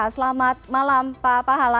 selamat malam pak hala